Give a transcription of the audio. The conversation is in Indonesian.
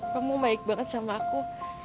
kamu baik banget sama aku